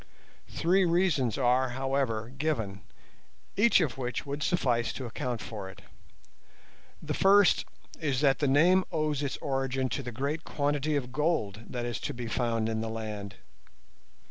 Three reasons are, however, given, each of which would suffice to account for it. The first is that the name owes its origin to the great quantity of gold that is found in the land.